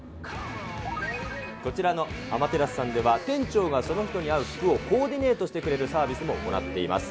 こちらのアマテラスさんでは、店長がその人に合う服をコーディネートしてくれるサービスも行っています。